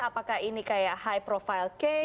apakah ini kayak high profile case